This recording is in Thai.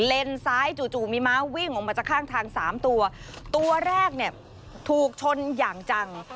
ซ้ายจู่จู่มีม้าวิ่งออกมาจากข้างทางสามตัวตัวแรกเนี่ยถูกชนอย่างจัง